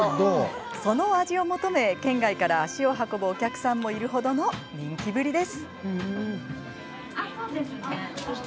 その味を求め県外から足を運ぶお客さんもいる程の人気ぶりです。